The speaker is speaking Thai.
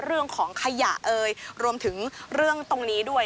เรื่องของขยะเอ่ยรวมถึงเรื่องตรงนี้ด้วย